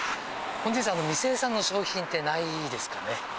本日、未精算の商品ってないですかね？